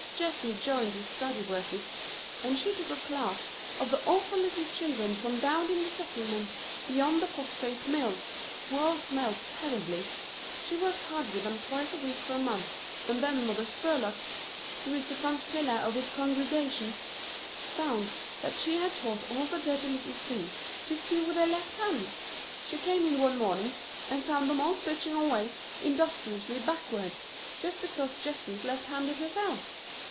Jessie joined his study workers and she took a class of the awful little children from down in the Settlement beyond the Phosphate Mills, who all smelled terribly. She worked hard with them twice a week for a month, and then Mother Spurlock, who is the front pillar of his congregation, found that she had taught all the dirty little things to sew with their left hands. She came in one morning and found them all stitching away industriously backwards, just because Jessie is left handed herself.